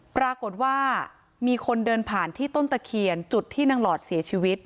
ปรากฏว่ามีคนเดินผ่านที่ต้นตะเคียนจุดที่นางหลอดเสียชีวิต